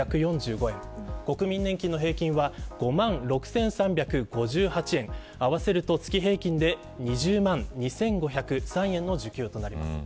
国民年金の平均は５万６３５８円合わせると月平均で２０万２５０３円の受給となります。